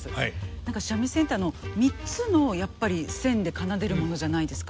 何か三味線ってあの３つのやっぱり線で奏でるものじゃないですか。